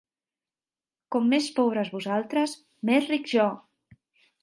Com més pobres vosaltres; més ric jo!